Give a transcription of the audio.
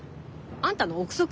あんたの臆測？